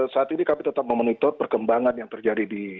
saat ini kami tetap memenuhi perkembangan yang terjadi di timur tengah